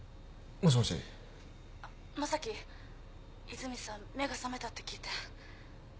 和泉さん目が覚めたって聞いて。